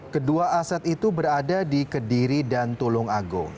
kedua aset itu berada di kediri dan tulung agung